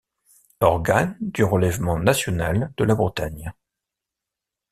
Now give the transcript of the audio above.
Organe du relèvement national de la Bretagne.